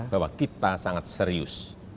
bahwa kita sangat serius